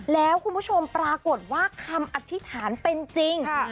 แล้วคุณผู้ชมปรากฏว่าคำอธิษฐานเป็นจริง